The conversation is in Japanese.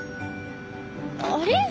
あれ？